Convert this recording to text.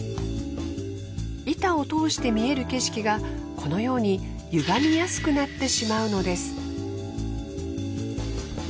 板を通して見える景色がこのようにゆがみやすくなってしまうのです。